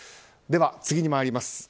では次に参ります。